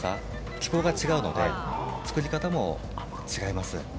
気候が違うので、作り方も違います。